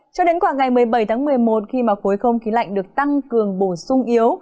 cho đến khoảng ngày một mươi bảy tháng một mươi một khi mà khối không khí lạnh được tăng cường bổ sung yếu